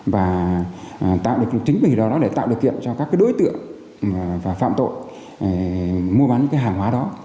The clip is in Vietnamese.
và tạo được chính vì đó để tạo điều kiện cho các đối tượng phạm tội mua bán những cái hàng hóa đó